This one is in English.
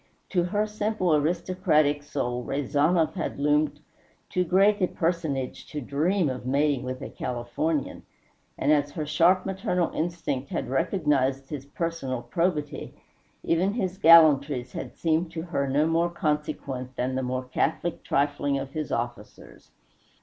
To her simple aristocratic soul Rezanov had loomed too great a personage to dream of mating with a Californian; and as her sharp maternal instinct had recognized his personal probity, even his gallantries had seemed to her no more consequent than the more catholic trifling of his officers.